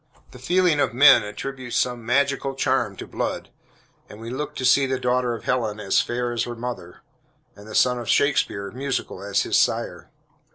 The feeling of men attributes some magical charm to blood, and we look to see the daughter of Helen as fair as her mother, and the son of Shakespeare musical as his sire.